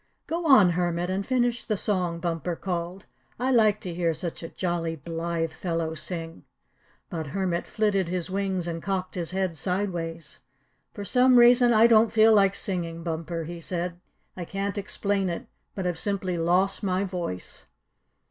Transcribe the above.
"Go, on, Hermit, and finish the song," Bumper called. "I like to hear such a jolly, blithe fellow sing." But Hermit flitted his wings and cocked his head sideways. "For some reason I don't feel like singing, Bumper," he said. "I can't explain it, but I've simply lost my voice."